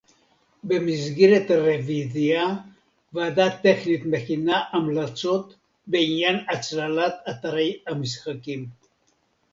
במסגרת הרוויזיה ועדה טכנית מכינה המלצות בעניין הצללת אתרי המשחקים